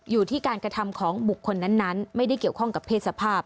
อยู่ที่การกระทำของบุคคลนั้นไม่ได้เกี่ยวข้องกับเพศสภาพ